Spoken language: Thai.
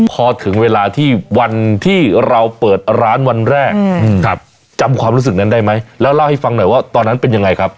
พอถึงเวลาที่วันที่เราเปิดร้านวันแรกจำความรู้สึกนั้นได้ไหมแล้วเล่าให้ฟังหน่อยว่าตอนนั้นเป็นยังไงครับ